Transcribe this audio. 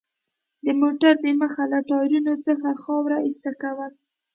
د موټر د مخ له ټایرونو څخه خاوره ایسته کول.